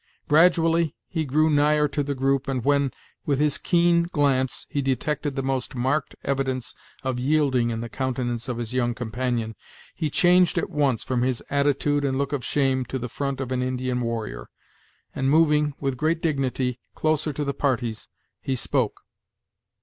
Gradually he drew nigher to the group and when, with his keen glance, he detected the most marked evidence of yielding in the countenance of his young companion, he changed at once from his attitude and look of shame to the front of an Indian warrior, and moving, with great dignity, closer to the parties, he spoke.